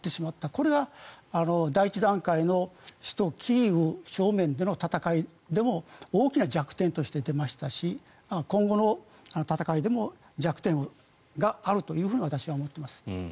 これが第一段階での首都キーウでの大きな弱点として出ましたし今後の戦いでも弱点があると私は思っています。